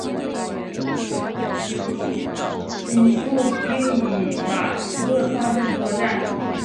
夥友步兵以马其顿方阵作战。